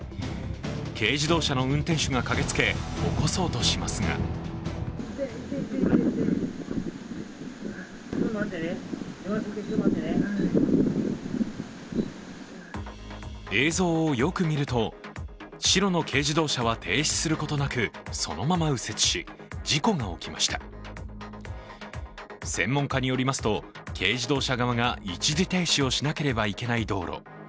軽自動車の運転手が駆けつけ、起こそうとしますが映像をよく見ると、白の軽自動車は停止することなく、そのまま右折し、事故が起きました専門家によりますと、軽自動車側が一時停止をしなければいけない道路。